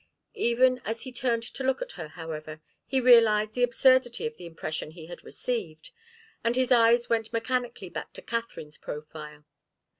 Even as he turned to look at her, however, he realized the absurdity of the impression he had received, and his eyes went mechanically back to Katharine's profile.